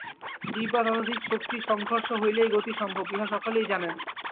দুই বা ততোধিক শক্তির সংঘর্ষ হইলেই গতি সম্ভব, ইহা সকলেই জানেন।